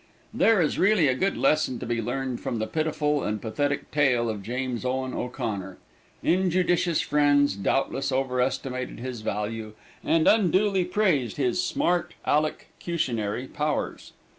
There is really a good lesson to be learned from the pitiful and pathetic tale of James Owen O'Connor. Injudicious friends, doubtless, overestimated his value, and unduly praised his Smart Aleckutionary powers.